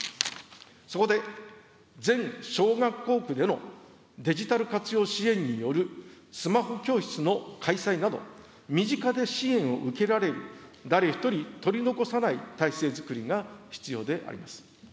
そこで全小学校区でのデジタル活用支援によるスマホ教室の開催など、身近で支援を受けられる誰一人取り残さない体制づくりが必要であります。